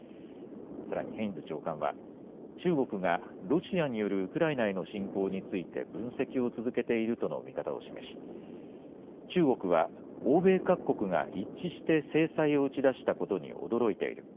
さらにヘインズ長官は、中国がロシアによるウクライナへの侵攻について、分析を続けているとの見方を示し、中国は欧米各国が一致して制裁を打ち出したことに驚いている。